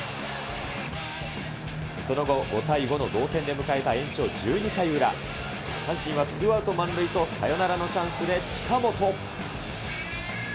その後、５対５の同点で迎えた延長１２回裏、阪神はツーアウト満塁と、サヨナラのチャンスで近本。